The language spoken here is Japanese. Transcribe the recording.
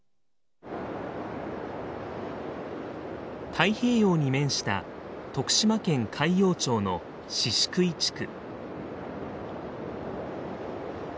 太平洋に面した徳島県海陽町の宍喰地区。